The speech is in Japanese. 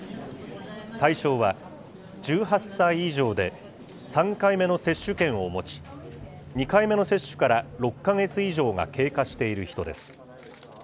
対象は、１８歳以上で３回目の接種券を持ち、２回目の接種から６か月以上が経過している人です。